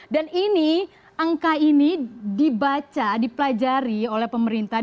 dan ini angka ini dibaca dipelajari oleh pemerintah